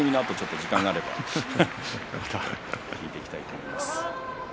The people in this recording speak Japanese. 時間があれば答えていただきたいと思います。